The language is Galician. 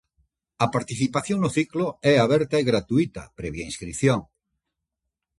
A participación no ciclo é aberta e gratuíta previa inscrición.